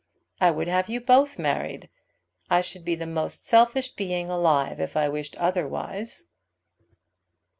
I would have you both married. I should be the most selfish being alive if I wished otherwise."